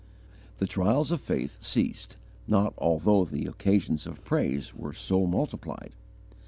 The trials of faith ceased not although the occasions of praise were so multiplied.